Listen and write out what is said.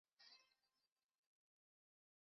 重症下其他治疗方法包含透析及。